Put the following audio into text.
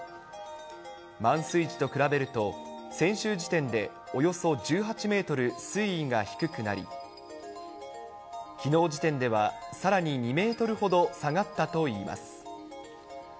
満水時と比べると、先週時点でおよそ１８メートル水位が低くなり、きのう時点では、さらに２メートルほど下がったといいます。